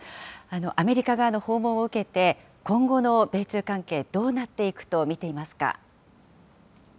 アメリカ側の訪問を受けて、今後の米中関係、どうなっていくと見ていますか。